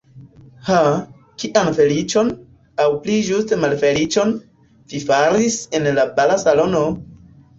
Ha, kian feliĉon, aŭ pli ĝuste malfeliĉon, vi faris en la bala salono!